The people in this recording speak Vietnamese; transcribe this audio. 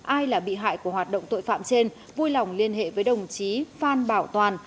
ai là bị hại của hoạt động tội phạm trên vui lòng liên hệ với đồng chí phan bảo toàn